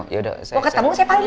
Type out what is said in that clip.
mau ketemu saya panggil